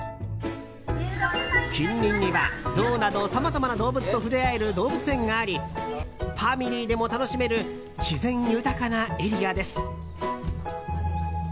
近隣にはゾウなどさまざまな動物と触れ合える動物園がありファミリーでも楽しめる自然豊かなエリアです。